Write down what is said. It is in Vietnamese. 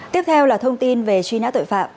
tiếp theo là thông tin về truy nã tội phạm